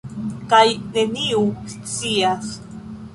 Kaj neniu scias.